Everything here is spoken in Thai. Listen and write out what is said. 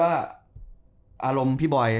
อารมณ์พี่บอย